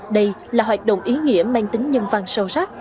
đây là hoạt động ý nghĩa mang tính nhân văn sâu sắc